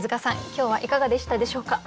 今日はいかがでしたでしょうか？